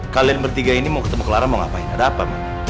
kalian bertiga ini mau ketemu claran mau ngapain ada apa